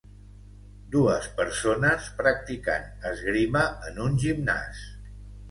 Dues persones practicant esgrima en un gimnàs.